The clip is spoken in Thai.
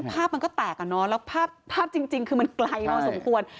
ภาพมันก็แตกอ่ะเนอะแล้วภาพจริงคือมันไกลพอสมควร